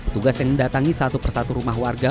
tugas yang mendatangi satu persatu rumah warga